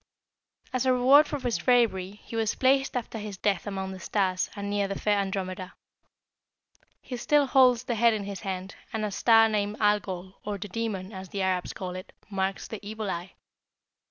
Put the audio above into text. "As a reward for his bravery, he was placed after his death among the stars, and near the fair Andromeda. He still holds the head in his hand, and a star named Algol, or the Demon, as the Arabs call it, marks the evil eye.